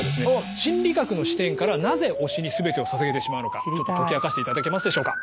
心理学の視点からなぜ推しに全てをささげてしまうのか解き明かしていただけますでしょうか？